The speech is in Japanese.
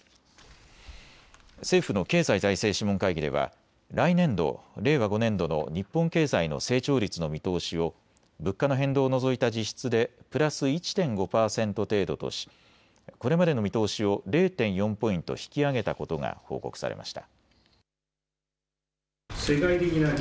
政府の経済財政諮問会議では来年度、令和５年度の日本経済の成長率の見通しを物価の変動を除いた実質でプラス１．５％程度としこれまでの見通しを０．４ポイント引き上げたことが報告されました。